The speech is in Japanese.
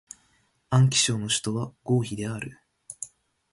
安徽省の省都は合肥である